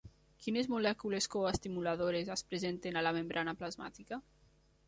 Quines molècules coestimuladores es presenten a la membrana plasmàtica?